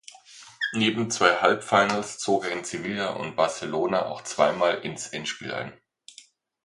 Neben zwei Halbfinals zog er in Sevilla und Barcelona auch zweimal ins Endspiel ein.